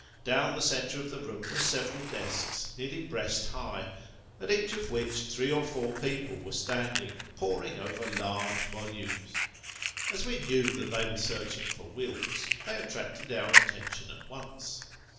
Down the centre of the room were several desks nearly breast high, at each of which, three or four people were standing, poring over large volumes. As we knew that they were searching for wills, they attracted our attention at once.